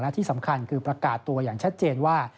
ที่สำคัญคือประกาศตัวอย่างชัดเจนว่า